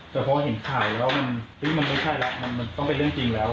แต่พอเห็นข่าวแล้วมันไม่ใช่แล้วมันต้องเป็นเรื่องจริงแล้ว